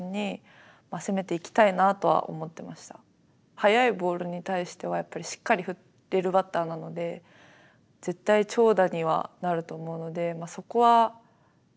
速いボールに対してはやっぱりしっかり振れるバッターなので絶対長打にはなると思うのでそこはないかなと思って考えてましたし。